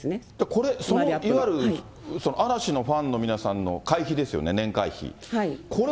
これ、いわゆる嵐のファンの皆さんの会費ですよね、年会費。